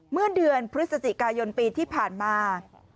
เมื่อเดือนพฤศจิกายนปีที่ผ่านมา